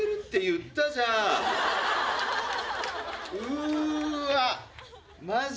うわっ。